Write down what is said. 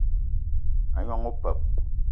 A gnong opeup